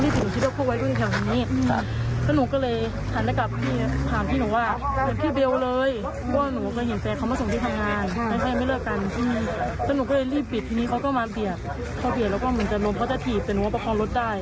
แต่รู้ว่าประคองรถตาแบบนี้ถ้าตายท่านเขาก็แทน